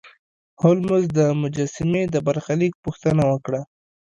هولمز د مجسمې د برخلیک پوښتنه وکړه.